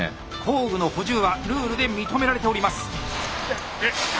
工具の補充はルールで認められております。